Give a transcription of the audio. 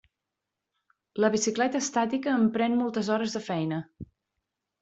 La bicicleta estàtica em pren moltes hores de feina.